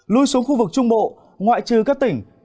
lui xuống khu vực trung bộ ngoại trừ các tỉnh